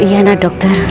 iya nak dokter